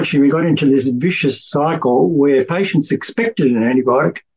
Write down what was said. di mana pasien diharuskan antibiotik